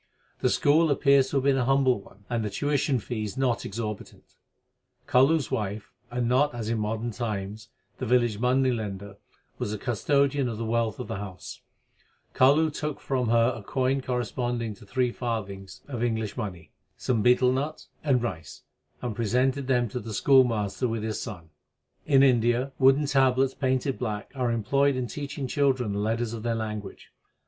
The school appears to have been a humble one, and the tuition fees not exorbitant. Kalu s wife and not, as in modern times, the village money lender was the custodian of the wealth of the house. Kalu took from her a coin corresponding to three 1 By which name Talwandi is now known. LIFE OF GURU NANAK 3 farthings of English money, some betel nut, and rice, and presented them to the schoolmaster with his son. In India wooden tablets painted black are employed in teaching children the letters of their language.